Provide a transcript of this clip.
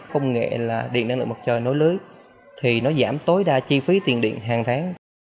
công nghệ là điện năng lượng mặt trời nối lưới thì nó giảm tối đa chi phí tiền điện hàng tháng